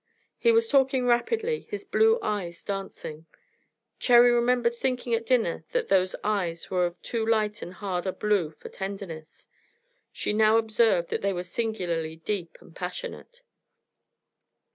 He was talking rapidly, his blue eyes dancing. Cherry remembered thinking at dinner that those eyes were of too light and hard a blue for tenderness. She now observed that they were singularly deep and passionate.